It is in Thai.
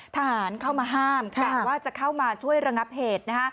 ทหารเข้ามาห้ามกะว่าจะเข้ามาช่วยระงับเหตุนะฮะ